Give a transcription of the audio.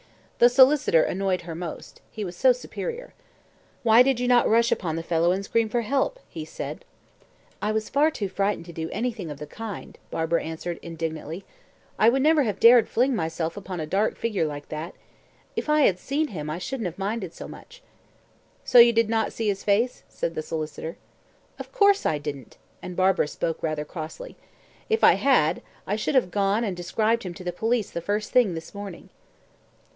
The solicitor annoyed her most he was so superior. "Why did you not rush upon the fellow and scream for help?" he said. "I was far too frightened to do anything of the kind," Barbara answered indignantly. "I would never have dared to fling myself upon a dark figure like that. If I had seen him, I shouldn't have minded so much." "So you did not see his face?" said the solicitor. "Of course I didn't," and Barbara spoke rather crossly. "If I had, I should have gone and described him to the police the first thing this morning."